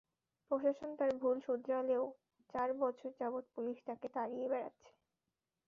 প্রশাসন তার ভুল শোধরালেও চার বছর যাবৎ পুলিশ তাঁকে তাড়িয়ে বেড়াচ্ছে।